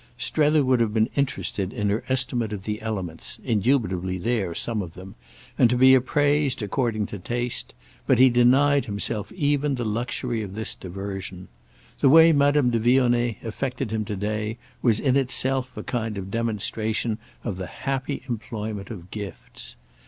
Strether would have been interested in her estimate of the elements—indubitably there, some of them, and to be appraised according to taste—but he denied himself even the luxury of this diversion. The way Madame de Vionnet affected him to day was in itself a kind of demonstration of the happy employment of gifts.